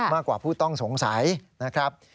มากกว่าผู้ต้องสงสัยนะครับ